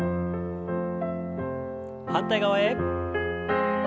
反対側へ。